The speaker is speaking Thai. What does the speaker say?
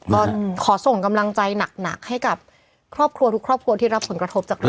ก็ขอส่งกำลังใจหนักให้กับครอบครัวที่รับฝันกระทบจากเขา